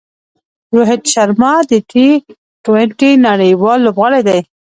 روهیت شرما د ټي ټوئنټي نړۍوال لوبغاړی دئ.